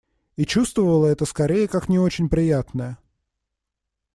И чувствовала это скорее как не очень приятное.